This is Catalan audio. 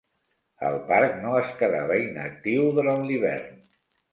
El parc no es quedava inactiu durant l'hivern.